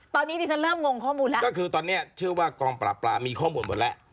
ตอนนี้ดิฉันเริ่มงงข้อมูลแล้วก็คือตอนนี้เชื่อว่ากองปราบปรามมีข้อมูลหมดแล้ว